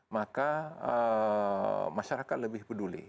maka masyarakat lebih peduli